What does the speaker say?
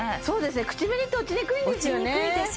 そうですね口紅って落ちにくいんですよね